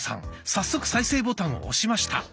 早速再生ボタンを押しました。